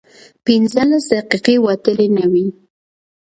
پينځلس دقيقې وتلې نه وې.